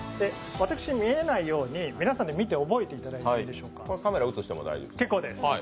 私に見えないように皆さんで見て覚えていただいてよろしいでしょうか。